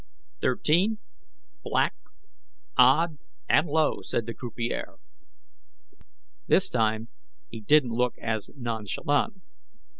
"Thirteen, Black, Odd, and Low," said the croupier. This time, he didn't look as nonchalant.